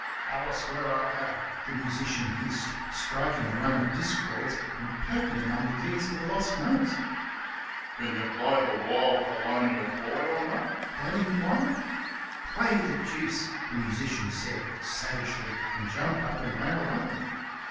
"Al'ce 'r' art Thou," the musician hissed, striking a run of discords, and poking among the keys for the lost notes. "C'n y' play th' 'Wil' Colonial Boy' on thet?" Dad inquired. "Play th' deuce!" the musician said, savagely, and jumped up and ran away.